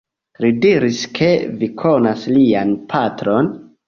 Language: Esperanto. Li diris, ke vi konas lian patron.